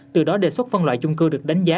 từ đó đề xuất phân loại chung cư được đánh giá